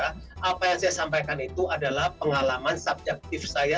apa yang saya sampaikan itu adalah pengalaman subjektif saya